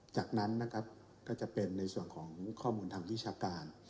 จากนั้นนะครับก็จะเป็นในส่วนของข้อมูลทางวิชาการ